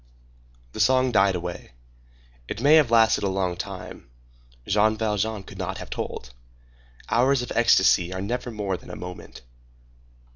The song died away. It may have lasted a long time. Jean Valjean could not have told. Hours of ecstasy are never more than a moment.